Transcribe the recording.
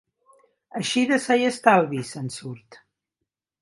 Així de sa i estalvi, se'n surt.